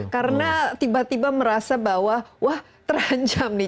karena tiba tiba merasa bahwa wah terancam nih